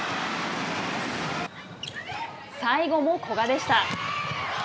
最後も古賀でした。